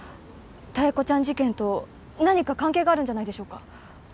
妙子ちゃん事件と何か関係があるんじゃないでしょうか？